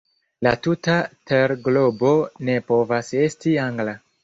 La tuta terglobo ne povas esti Angla.